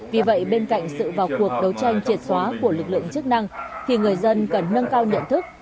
vì vậy bên cạnh sự vào cuộc đấu tranh triệt xóa của lực lượng chức năng thì người dân cần nâng cao nhận thức